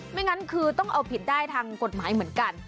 งั้นคือต้องเอาผิดได้ทางกฎหมายเหมือนกัน